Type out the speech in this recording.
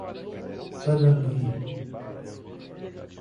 Panambi